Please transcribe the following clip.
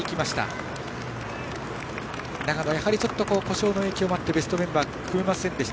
長野は故障の影響があってベストメンバー組めませんでした。